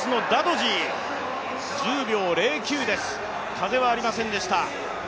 風はありませんでした。